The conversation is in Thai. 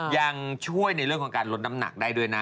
ยังช่วยในเรื่องของการลดน้ำหนักได้ด้วยนะ